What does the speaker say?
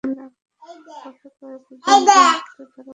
পথে কয়েকজন দুর্বৃত্ত ধারালো অস্ত্র দিয়ে তাঁকে এলোপাতাড়ি কুপিয়ে জখম করে।